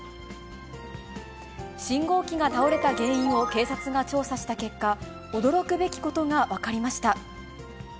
信号機が倒れた原因を、警察が調査した結果、驚くべきことが分かりました。